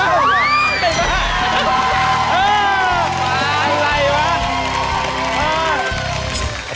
อะไรวะ